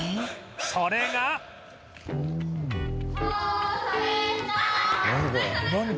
それが何？